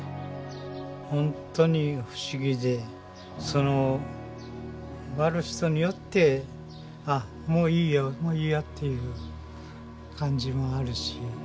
ほんとに不思議でその割る人によって「あっもういいよもういいよ」っていう感じもあるし。